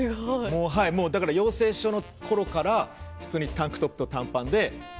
もうだから養成所の頃から普通にタンクトップと短パンで。